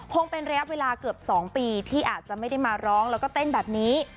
คงเป็นระยะเวลาเกือบ๒ปีที่อาจจะไม่ได้มาร้องแล้วก็เต้นแบบนี้